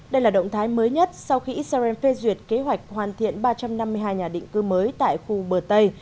đây là động thái mới nhất sau khi israel phê duyệt kế hoạch hoàn thiện ba trăm năm mươi hai nhà định cư mới tại khu bờ tây